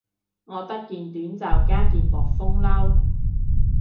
我得件短袖加件薄風褸